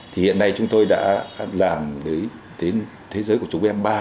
thì hiện nay chúng tôi đã làm đến thế giới của chúng m ba